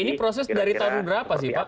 ini proses dari taruh berapa sih pak